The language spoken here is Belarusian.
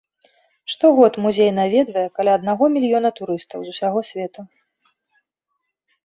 Штогод музей наведвае каля аднаго мільёна турыстаў з усяго свету.